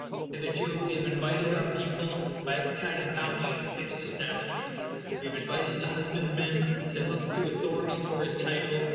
Hitherto we have invited our people, by every kind of bounty, to fixed establishments. We have invited the husbandman to look to authority for his title.